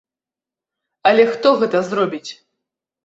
Але хто гэта зробіць?